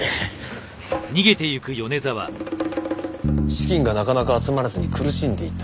資金がなかなか集まらずに苦しんでいた。